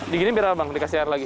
dikini berapa bang dikasih air lagi